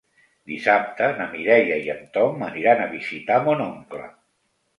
Dissabte na Mireia i en Tom aniran a visitar mon oncle.